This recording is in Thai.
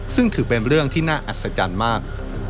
ซึ่งถือเป็นเรื่องที่น่าอัศจรรย์มาก